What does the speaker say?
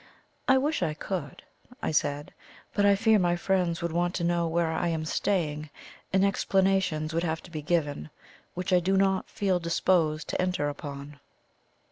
"I wish I could," I said; "but I fear my friends would want to know where I am staying, and explanations would have to be given, which I do not feel disposed to enter upon."